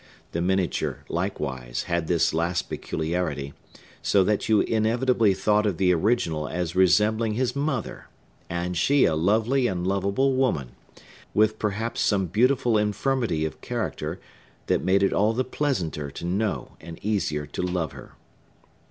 The miniature, likewise, had this last peculiarity; so that you inevitably thought of the original as resembling his mother, and she a lovely and lovable woman, with perhaps some beautiful infirmity of character, that made it all the pleasanter to know and easier to love her.